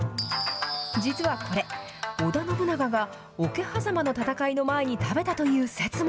実はこれ、織田信長が桶狭間の戦いの前に食べたという説も。